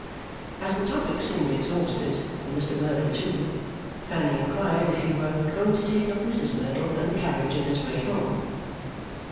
As the topic seemed exhausted, and Mr Merdle too, Fanny inquired if he were going to take up Mrs Merdle and the carriage in his way home?